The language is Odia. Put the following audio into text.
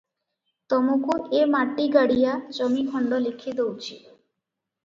ତମୁକୁ ଏ ମାଟିଗାଡ଼ିଆ ଜମିଖଣ୍ଡ ଲେଖି ଦଉଚି ।